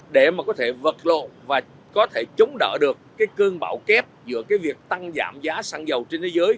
để có thể vật lộ và có thể chống đỡ được cơn bão kép giữa việc tăng giảm giá sẵn dầu trên thế giới